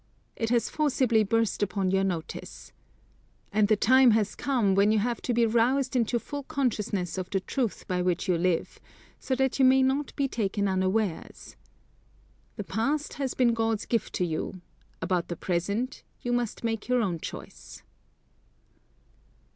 It has forcibly burst upon your notice. And the time has come, when you have to be roused into full consciousness of the truth by which you live, so that you may not be taken unawares. The past has been God's gift to you; about the present, you must make your own choice.